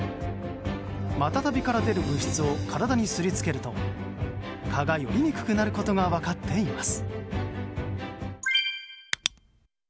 マタタビから出る物質を体にすり付けると蚊が寄りにくくなることが分かっています。